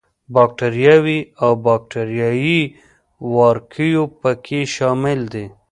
باکټریاوې او باکټریايي وارکیو په کې شامل دي.